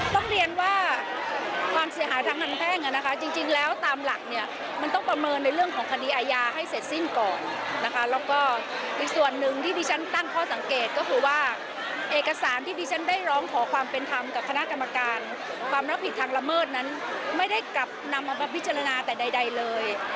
ต้องเรียนว่าความเสียหายทางแพ่งอ่ะนะคะจริงแล้วตามหลักเนี่ยมันต้องประเมินในเรื่องของคดีอาญาให้เสร็จสิ้นก่อนนะคะแล้วก็อีกส่วนหนึ่งที่ดิฉันตั้งข้อสังเกตก็คือว่าเอกสารที่ดิฉันได้ร้องขอความเป็นธรรมกับคณะกรรมการความรับผิดทางละเมิดนั้นไม่ได้กลับนำมาพิจารณาแต่ใดเลย